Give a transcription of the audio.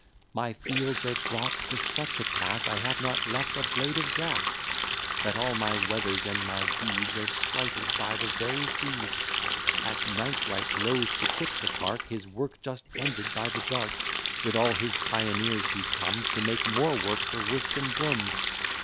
My fields are brought to such a pass, I have not left a blade of grass; That all my wethers and my beeves Are slighted by the very thieves. At night right loath to quit the park, His work just ended by the dark, With all his pioneers he comes, To make more work for whisk and brooms.